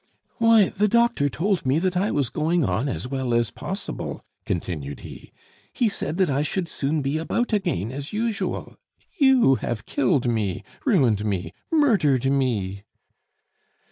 "Why, the doctor told me that I was going on as well as possible," continued he; "he said that I should soon be about again as usual. You have killed me, ruined me, murdered me!"